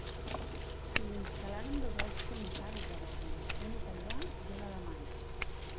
S'hi instal·laren dos alts comissaris a Bozen, un italià i un alemany.